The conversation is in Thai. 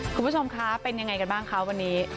คุณผู้ชมคะเป็นยังไงกันบ้างคะวันนี้